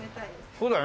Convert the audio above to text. そうだよね。